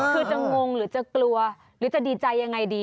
คือจะงงหรือจะกลัวหรือจะดีใจยังไงดี